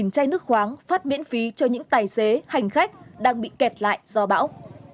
một chai nước khoáng phát miễn phí cho những tài xế hành khách đang bị kẹt lại do bão